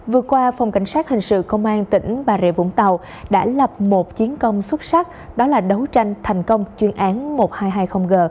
vừa qua phòng cảnh sát hình sự công an tp hcm đã lập một chiến công xuất sắc đó là đấu tranh thành công chuyên án một nghìn hai trăm hai mươi g